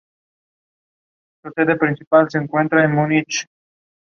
He was well known as an exceptional artist of the Vienna Porcelain Manufactory.